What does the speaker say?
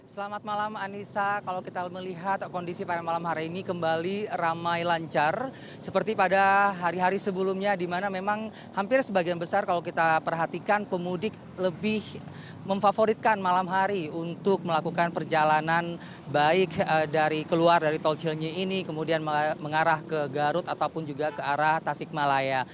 selamat malam anissa kalau kita melihat kondisi pada malam hari ini kembali ramai lancar seperti pada hari hari sebelumnya di mana memang hampir sebagian besar kalau kita perhatikan pemudik lebih memfavoritkan malam hari untuk melakukan perjalanan baik dari keluar dari tol cileni ini kemudian mengarah ke garut ataupun juga ke arah tasik malaya